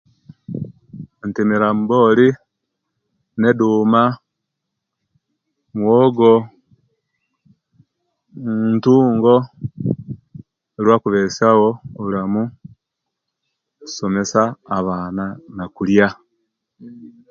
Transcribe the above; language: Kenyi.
Ntemera namboli ne duma, muwogo ntungo luwabesiya bwo obulamu okusomesa abaana no kuliya